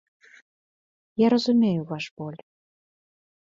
Я разумею ваш боль.